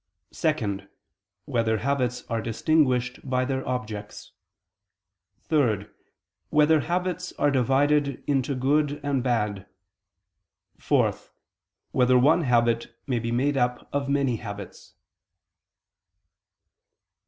(2) Whether habits are distinguished by their objects? (3) Whether habits are divided into good and bad? (4) Whether one habit may be made up of many habits?